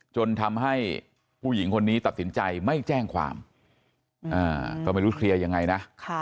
จนทำให้ผู้หญิงคนนี้ตัดสินใจไม่แจ้งความก็ไม่รู้เคลียร์ยังไงนะ